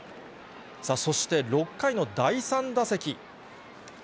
そして６回の第３打席。